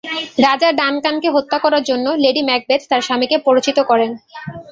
রাজা ডানকানকে হত্যা করার জন্য লেডি ম্যাকবেথ তাঁর স্বামীকে প্ররোচিত করেন।